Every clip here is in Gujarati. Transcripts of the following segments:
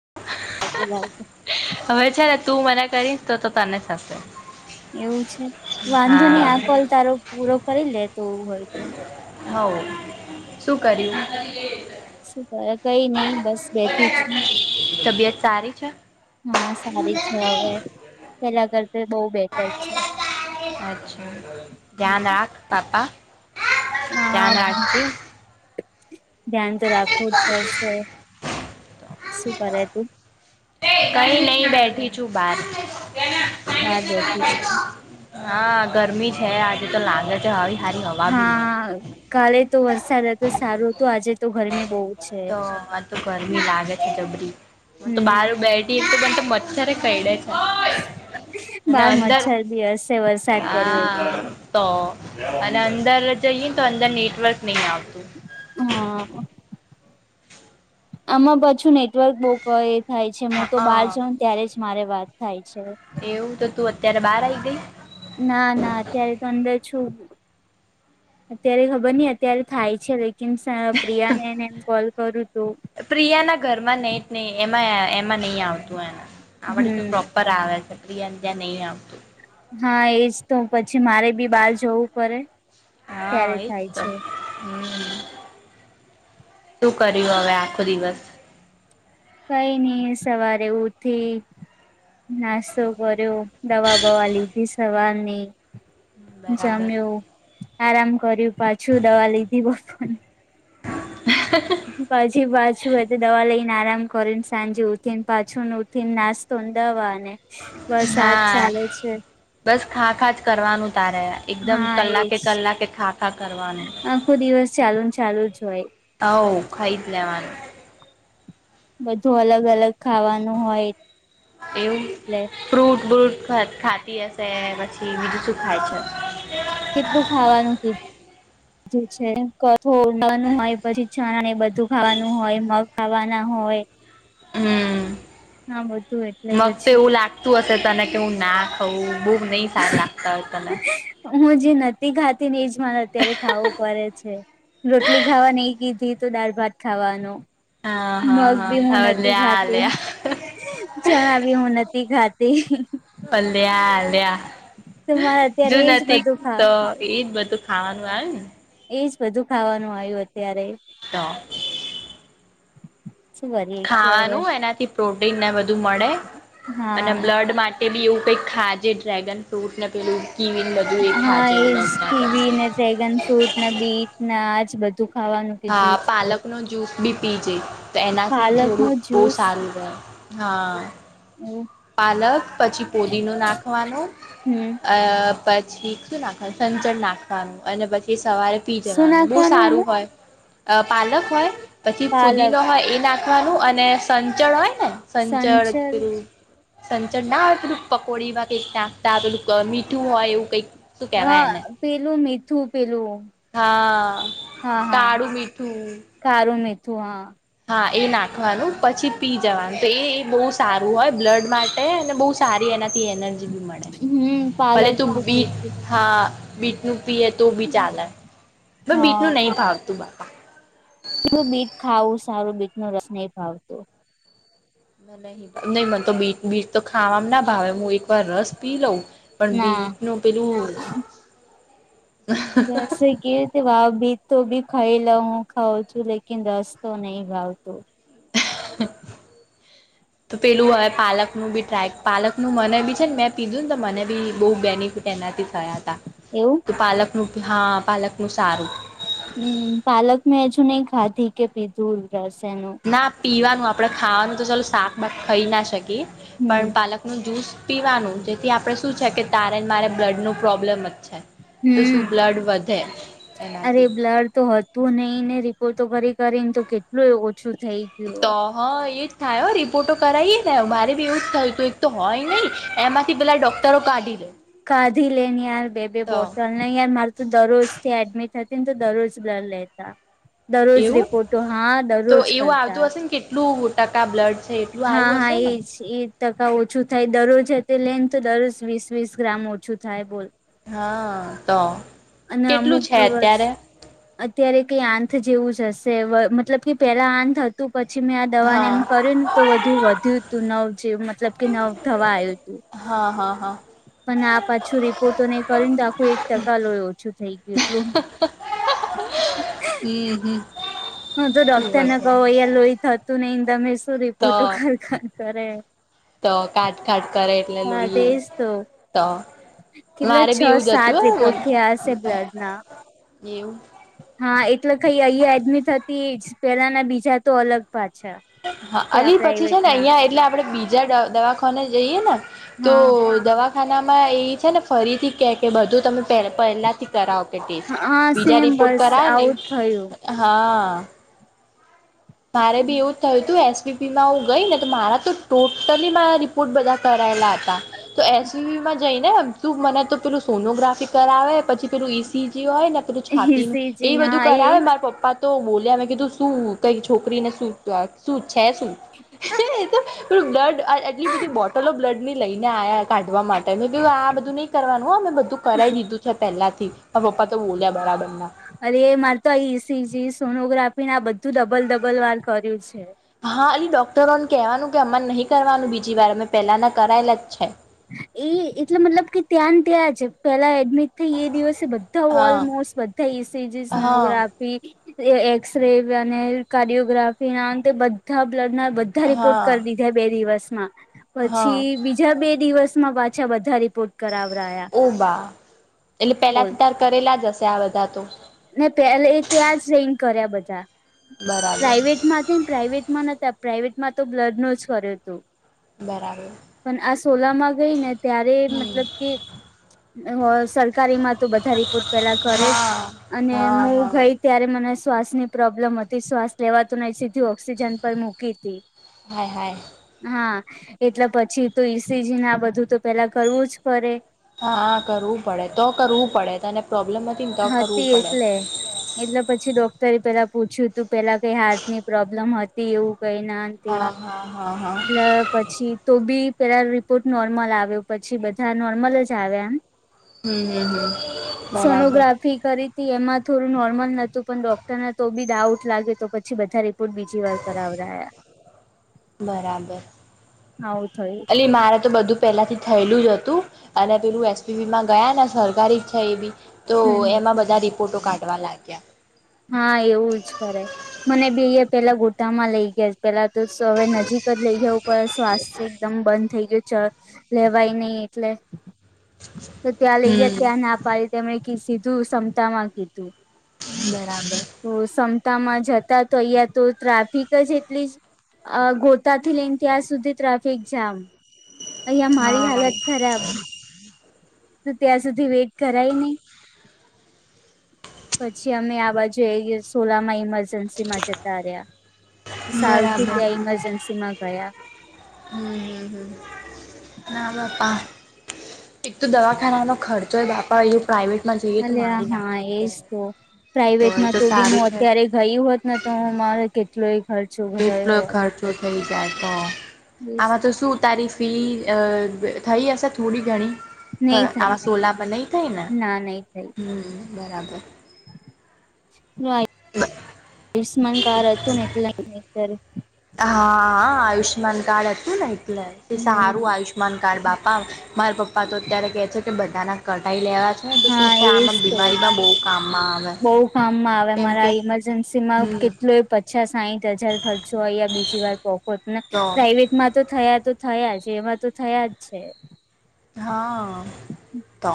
[inaudible] હ તી મે. હવે છે ને તું મને કરીશ, તો તો તને થશે. એવું છે. વાંધો નહીં હા આ કોલ તારો પૂરો કરી લે. તો હોય તો હવ. શું કર્યું? શું કરે કઈ નહી બસ બેઠી છું [unintelligible] તબિયત સારી છે? હા સારી છે હવે. પેલા કર અચ્છા. ધ્યાન રાખ પાપા હા ધ્યાન રાખજો. ધ્યાન તો રાખવું જ પડશે. શું કરે તું? કઈ નહિ બેઠી છું બાર. બહાર બેઠી છે. હા ગરમી છે, આજે તો લાગે છે. હારી સારી હવા બી નહિં. હા. કાલે તો વરસાદ હતો સારો હતું. આજે તો ગરમી બહુ. છે તો આ તો ગરમી લાગે છે જબરી. હું તો બહાર હમ બેઠ તીર્થ બન્ટ મરછર કઈદે છે [unintelligible] અને બહાર અંદર મચ્છર બી હસે. વરસાદ પડ્યો એટલે હા તો અને અંદર જઈએ ને તો અંદર નેટવર્ક નહી આવતું. હા. આમાં પાછું નેટવર્ક બહુ એ થાય છે હું મોટો હા પાછડ ત્યારે જ મારે વાત થાય છે. એવું તો તું અત્યારે બહાર આવી ગઈ. ના ના અત્યારે તો અંદર છું. અત્યારે ખબર નઈ અત્યારે થાય છે લેકિન પ્રિયા ને એને કોલ કયૉતો. પ્રિયાના ઘરમાં નેટ જ નહીં. એમાં એમાં નહી આવતું એના આવડે તોપ હમ પર આવે છે. પ્રિયા ત્યાં નહી આવતું. હા એજ તો પછી મારે બી બહાર જવું પડે. હા ત્યારે એ થાય તે. છે. હમ. શું કર્યું હવે આખો દિવસ? કઈ નહી સવારે ઉઠી, નાસ્તો કર્યો. દવા બવા લીધી સવારની. બરાબર જમ્યો આરામ કર્યું. પાછું દવા લીધી બપો [inaudible] પછી પાછું એ તો દવા લઈને આરામ કરીને સાંજે ઉઠીને પાછું ને ઉઠીને નાસ્ ધુંંધાવાને વરસાદ હા ચાલે છે. બસ ખા ખા જ કરવાનું તારે એકદમ હા કલાકે એજ કલાકે ખા ખા કરવાનું. આખો દિવસ ચાલુ ને ચાલુ જ હોય. આવ ખાઈ જ લેવાનું. બધું અલગ અલગ ખાવાનું હોય. એવું એટલે ફ્રૂટ બ્રુટ ખાતી હશે પછી બીજું શું ખાય છે. કેટલું ખાવાનું કીધું બધું છે. કઠોળ ખાવાનું હોય પછી ચણા એ બધું ખાવાનું હોય મગ ખાવાના હોય હમ હા બધું એટલે મગ પછી તેવું લાગ તું હશે તને કેવું ના ખઉ બહુ નહીં સારા લાગતા હોય તને હું જે નથી ખાતી ને એજ મારે અત્યારે ખાવું પડે છે રોટલી ખાવા નહીં કીધી તો દાળ ભાત ખાવાનું હા હા મગ બી હું હા નથી અલ્યા ખાતી અલ્યા ચણા બી ઉ નથી ખાતી પ અલ્યા ડે તો મારે જો અત્યારે એજ નથી બધું ખા તો એજ બધું ખાવાનું આવે ને એજ બધું ખાવાનું આવ્યું અત્યારે તો શું કરીએ કે હવે ખાવાનું એનાથી પ્રોટીન ને બધું મળે અને હા બ્લડ માટે એ બી એવું કઈ ખાજે ડ્રેગન ફ્રૂટ ને પેલું કીવીને બધું એ હા ખાજે એજ એવું લગ્ન કીવી ને ડ્રેગન ફ્રૂટ બીટ ના આજ બધું ખાવાનું હા કીધું છે પાલક નો જ્યુસ બી પીજે તો એનાથી પાલક નો થોડુંક બહુ જ્યુસ સારું રહે હા હમ પાલક પછી ફુદીનો નાખવાનું હમ પછી શું નાખવાનું સંચળ નાખવાનું અને પછી સવારે પી શું જવાનું બહુ નાખવાનું સારું એમાં હોય પાલક હોય પછી પાલક ફુદીનો હોય એ નાખવાનું અને સંચળ હોય ને સંચર સંચારતું [unintelligible] સંચળ ના આવે પેલું પકોડીમાં કઈક નાકતા પેલું મીઠું હોય એવું કઈક હા પેલું મીઠું પેલું હા હા હા કાળું મીઠું કારું મે તું હા હા એ નાખવાનું પછી પી જવાનું તો એ બહુ સારું હોય બ્લડ માટે અને બહુ સારી એનાથી એનર્જી બી મળે હમ ભલે પાલક તું શું બીટ પીધું હા બીટ નું પીએ તો બી ચાલે બીટ ન હા નહીં ભાવતું પલું બીટ ખાવું સારું બીટ નો રસ નહી ભાવતું નહી નહી મને તો બીટ બીટ તો ખાવામાં ના ભાવે હું એક વાર રસ પી લઉં પણ ના બીટ નુ પેલું બસ [unintelligible] કેવી રીતે વાવ ભી તો બી ખાઈ લ હું ખઉં છું લેક રસ તો નહીિ ભાવતું [unintelligible] તો પેલું હવે પાલક નું બી ટ્રાય પાલકનું મને બી છે. ને મેં પીધું ને તો મને બી બહુ બેનિફિટ કેના ત થયા જ હતા તા એવું પાલકનું હા પાલકનું સારું હમ પાલક મેં હજુ નઈ ખાધી કે પીધું રસ એનું. ના પીવાનું આપડે ખાવાનું તો ચાલ શાક ખઈ ના શકીએ હમ પણ પાલક નું જ્યુસ પીવાનું જેથી આપણે શું છે. કે તારે ને મારે બ્લડ ન પ્રોબ્લેમ જ છે. તો શું હમ બ્લડ વધે એનાથી લર તો હતું નહી ને રિપોર્ટ તો કરી કરીને તો કેટલું ઓછું થઈ ગયું. હં એ જ થાય રિપોર્ટો કરાવી થ્યો મારે બી એવું જ થયું હતું એક તો હોય નહીં એમાંથી પેલાં ડૉક? તરો કાઢી લો. કાધી લેની યાર બે બે બોટલ. યાર મારે તો દરરોજ થી એડમિટ હતી ને તો દરરોજ લર લેતા. દરરોજ એવું રિપોર્ટો હા તો દરરોજ એવું કરતા આવતું હશે ને કેટલું ટકા બ્લડ છે. જો હા વાયુ હા આશે ને. એજ એ ટકા ઓછું થાય દરરોજ તે લેન તો દરરોજ વીસ વીસ ગ્રામ ઓછું થાય બોલ. હા તો અને કેટલું અમુક છે દિવસ અત્યારે. અત્યારે કઈ આથ જેવું જ હશે મતલબ કે પેલા આંત. ત પછી મેં આ દવાને હા એમ કર્યું ને તો બધું વધ્યું તું નવ જેવ મતલબ કે નવ દવા આવ્યું તું. હા હા હા. પણ આ પાછું રિપોર્ટ નને કરીને તો આખું એક ટકા લોય ઓછું થઈ ગયું. એટલું હમ હમ. હું તો ડોક્ટરને કહ શું અહી લોહી થતું નહ તમે શું રિપોર્ટું તો ખરખર કરે. તો કાટ ખાટ કરેટ લ લું હા એ તેજ તો તો. કેટલા મારે છ બી એવું સાત જતું હ રિપોર્ટ થયા હશે બ્લડ ના એવું. હા એટલે કઈ અહીંયા એડમિટ હતી પેલાના બીજા તો અલગ પાછા. હા ત્યાં અલી પછી છે પ્રાઈવેટ ને ના અહિયાં એટલે આપડે બીજા દવાખાને જઈએ ને. તો હા દવાખાનામાં એ છે ને ફરીથી કે કે બધું તમે. પહેલાથી કરાવો કે ટેસ્ટ હા બીજા સેમ રિપોર્ટ બસ કરાવે ને આવું જ થયું હા. મારે બી એવું જ થયું હતું એસવીપી માં હું ગઈ ને તો મારા તો ટોટલી મા. ખૂબ બધા કરાયેલા હતા. તો એસમાં જઈ ને તું મને તો પેલું સોનોગ્રાફી કરાવે પછી. પેલું ઈસી જે હોય ને પેલું છાતીનું ઈસીજી એ બધું હા કરાવે એજ મારા પપ્પા તો બોલ મેં કીધું શું. કઈ છોકરીને શું શું છે શું. પે બ્લડ આ એટલી બધી બોટલો બ્લડની લઈને આવ્યા કાઢવા માટે. તમે કધું આ બધું નઈ કરવાનું અમે બધું કરાવી દીધું છે પહેલા થી આ પપ્પા તો બોલ્યા બરાબરના. અરે મારે તો આ ઈસીજી સોનોગ્રાફી ના બધું ડબલ ડબલ વાર કર્યું છે. હા એ ડોક્ટરોને કેહેવાનું કે અમા નહીં કરવાનું બીજી વાર અમે પેલાના કરાયેલા જ છે. એ એટલે મતલબ કે ત્યાંન ત્યાં છે પેલા એડમિટ. થ એ દિવસે બધા હા ઓલમોસ્ટ બધા એસીજી હા સોનોગ્રાફ. એસ ર અને કાર્ડિયોગ્રાફી ના અંતે બધા બ્લડ નાધા. બ રિપોર્ટ કરી હા દીધા બે દિવસમાં હા પછી બીજા બે. દિવસમાં પાછા બધા રિપોર્ટ. કરાવ રહ્યા. ઓ બાહ એટલે પેલાથી તાર કરેલા જ હશે આ બધા તો. ને પેલે ત્યાં જ રઈન કર્યા બધા બરાબર પ્રાાઈઇવેટમાં હતા ને પ્રાાઈવેટમાં નથી. પ્રાઇવેટમાં તો બ્લડ નો જ કર્યો હતું. બરાલ. પણ આ સોલા માં ગઈ ને ત્યારે હમ મતલબ કે. હ સરકારી માં તો બધા રિપોર્ટ પેલા કરે જ હા અને હા હું હા ગઈ. ત્યારે મને શ્વાસ ની પ્રોબ્લેમ હતી શ્વાસ લેવાત નહી સીધી ઓક્સિજન પર મૂકી હતી. હાય હાય. હા એટલે પછી તો ઈસીજી ના બધું તો પેલા કરવું જ પડે. હા કરવું પડે તો કરવું પડે તને પ્રોબ્લેમ નથી ને તો કરવું હતી પડે એટલે એટલે પછી ડોક્ટરે પેલા પૂછ્યું તું પેલા કઈ હાર્ટ ની પ્રોબ્લેમ હતી એવું કઈ ના તે હા હા હા હા ના. પછી તો બી પેલા રિપોર્ટ નોર્મલ આવ્યો પછી બધા નોર્મલ જ આવ્યા એમ. હમ હમ હમ. બરાબર સોનોગ્રાફ. ફી કરી હતી એમાં થોડું નોર્મલ નોતું પણ ડોક્ટરને તો બી ડાઉટ લાગે તો પછી બારે પણ બીજી વાર કરાવ રહ્યા બરાબર હવ થય એલી મારે તો બધું પહેલા થી થયેલું જ હતું અને પેલું એસપીપી માં ગયા ને સરકારી જ છે એ બી તો હમ એમાં બધા રિપોર્ટો કાઢવા લાગ્યા હા એવું જ કરે મને બી પેલા ગોટામાં લઈ ગયા પેલા તો હવે નજીક જ લઈ જવું પણ સ્વાસ્થ્ય એકદમ બંધ થઈ ગયું ચ લેવાય નહ એટલે તો ત્યાં લઈ ગયા હમ ત્યાં ના પાડી તેમણે સીધું ક્ષમતા માં કીધું બરાબર તો ક્તામાં જતા તો અહિયાં તો ટ્રાફિક જ એટલી જ અ ગોતાથી લઈને ત્યાં સુધી ટ્રાફિક જામ અહીયા મારી હા હાલત છે રે [unintelligible] તો ત્યાં સુધી વેઇટ કરાય નહી પછી અમે આ બાજુએએ સોલા માઈમાં જસીમાં જતા રહ્યા સારુંથી બરાબર ત્યાં ઇમરજન્સીમાં ગયા હમ હમ હમ ના બાપા એક તો દવાખાના ન ખર્ચો હોય બાપા એયુ પ્રાવેટમાં હ હા એજ તો એ પ્રાઈવેટમાં તો બી સારું હું છે અત્યારે ગયું હોત ને તો હું મારે કેટ એટલોય ઘર છું એટલો ખર્ચો થઈ જાય તો આમાં તો શું તારીફી અ થઈ હશે થોડી ઘણી નહી થઈ આવા નહી સોલા પ લય થાયને ના નહી થઈ હમ બરાબર આયુષમાન કાર અતુંને એટલાાર હા આયુષમાન કાર્ડ હતું ને એટલે એ હમ સારું આયુષમાન આયમાન કાર્ડ બાપા મારા પપ્પા તો અત્યારે કહે છે કે બધાના કટાઈ લેવા છે તો શું હા છે એજ આમાં તો બીમારીમાં બહ કામમાં આવે કેમકે કેટ પચાસ સા હજાર ખર્ચો બી વાર તો પેટમાં તો થયા તો થયા છે એમાં તો થયા જ છે હા તો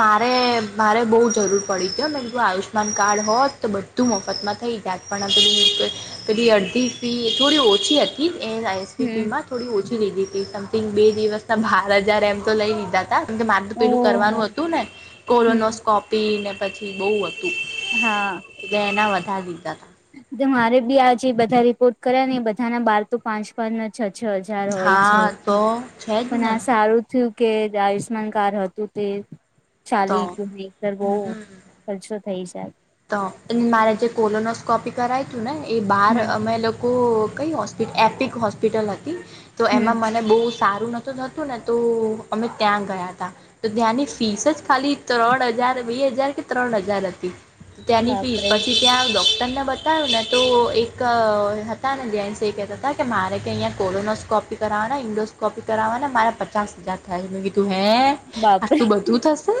મારે મારે બહુ જરૂર પડી હતી મું આયુષ્યમાન કાર્ડ હોત તો બધ વધું મફતમાં થઈ જાત પણ પે પેલી અડધી ફી થોડી ઓછી હતી એ એસપી હમ માં થોડી ઓછી લીધી હતી સમથિંગ બે દિવસના બાર હજાર એમ તો લઈ લીધા મ કે મારદું પેલું ઓહ કરવાનું હતું ને હમ કોરોનોસ્કોપી ને પછી બહુ હતું હા એટલે એના વધારી દીધા હતા મારે બી આજે બધા રિપોર્ટ કર્યા ને બધાના બાર તો પાંચ પાંચ ન છ છ જ હોય છે હા તો છે જ પણ ને આ સારું થયું કે જે આયુષ્માન કાર્ડ હતું તે તો ચાલી ગયું મે એક તર બો હમ ખર્છો થઈ જ તો એ મારે જે કોલોનોસ્કોપી કરાય તું ને એ બાર હમ અમે કઈ હોસ્પ એપિક હોસ્પિટલ હતી તો હમ એમાં બહુ સારું નતું થતું ને તો અમે ત્યાં ગયા તા તો ત્યાંની ફીસ જ ખાલી ત્રણ હજાર બે હજાર કે ત્રણ હજાર હતી. ત્યાંની ફીસ બાપરે પછી ત્યાં ડોક્ટર ને બતા ને તો એક હતા ને જેન્સેતા હતા કે મારે કે અહીં કોરોનોસ્કોપિક કરવાને ઇન્ડોસ્કોપી કરાવવાને મારે પચાસ હજાર થાય મે કીધું હે. બાપરે આટલું બધું થશે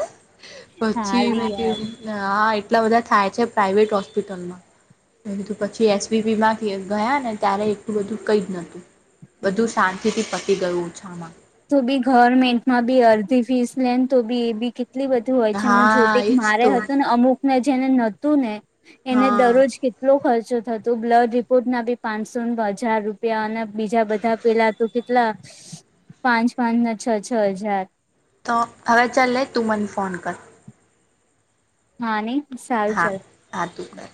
પછી હારી મે યાર કીધુ. હા એટલા બધા થાય છે પ્રાાઈવેટ હોસ્પિટલમાં એધું પછી એસવીપીમાં ગયા ને ત્યારે એટલું બધું કઈ જ નતું. હમ બધું શાંતિ થી પટી ગયું ઓછામાં. તો બી ગવર્મેન્ટમાં બી અડધી ફીસ લેન તો બી એ બી કેટલી બધી. તુ હોય છે હા જોતી એજ મારે તો હતું ને અમુક ને જેને નતું ને એને હા દરરોજ કેટલો ખર્ચો થતો બ્લડ રિપોર્ટ ના બી પાંચસો હજાર રૂપિયા અને બીજા બધા પેલા તો કેટલા [unintelligible] પાંચ પાંચ ના છ છ હજાર. તો હવે ચલ્લે તું મને ફોન કર. હા ને સારુ ચલ. હાતું કર.